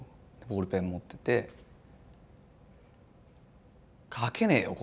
ボールペン持ってて書けねえよ